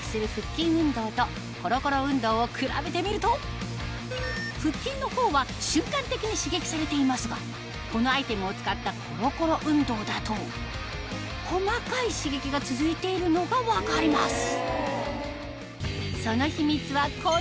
足を腹筋のほうは瞬間的に刺激されていますがこのアイテムを使ったコロコロ運動だと細かい刺激が続いているのが分かります